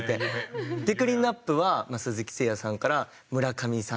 クリーンアップは鈴木誠也さんから村上さん。